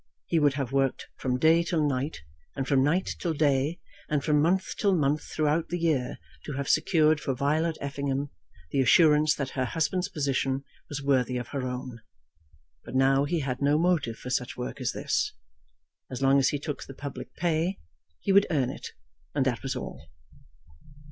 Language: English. He would have worked from day till night, and from night till day, and from month till month throughout the year to have secured for Violet Effingham the assurance that her husband's position was worthy of her own. But now he had no motive for such work as this. As long as he took the public pay, he would earn it; and that was all.